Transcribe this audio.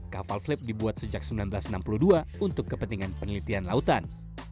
kapal flip dibuat sejak seribu sembilan ratus enam puluh dua untuk kepentingan penelitian lautan